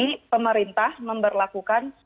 jadi pemerintah memperlakukan